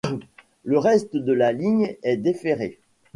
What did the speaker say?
Le reste de la ligne est déferré.